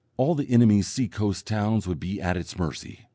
All the enemy's sea coast towns would be at its mercy.